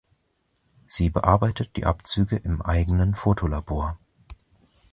Sie bearbeitet die Abzüge im eigenen Fotolabor.